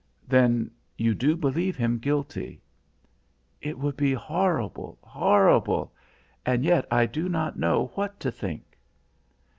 "Then you do believe him guilty?" "It would be horrible, horrible and yet I do not know what to think."